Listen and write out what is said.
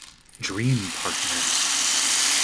Dream Partners.